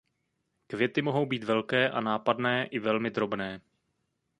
Květy mohou být velké a nápadné i velmi drobné.